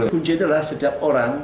kunci adalah setiap orang